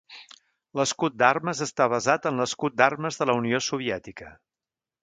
L'escut d'armes està basat en l'escut d'armes de la Unió Soviètica.